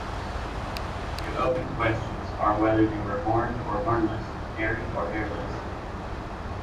Two open questions are whether they were horned or hornless, hairy or hairless.